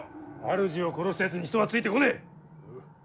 主を殺したやつに人はついてこねえ。